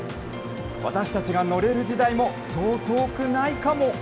私たちが乗れる時代もそう遠くないかも。